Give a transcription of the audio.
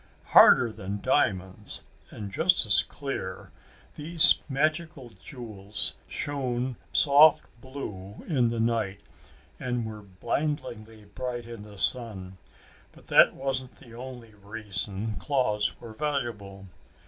Harder than diamonds and just as clear, these magical jewels shone soft blue in the night and were blindingly bright in the sun. But that wasn't the only reason claws were valuable.